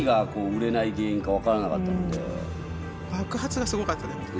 爆発がすごかった。